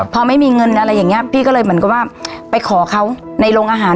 พอไม่มีเงินอะไรอย่างเงี้พี่ก็เลยเหมือนกับว่าไปขอเขาในโรงอาหาร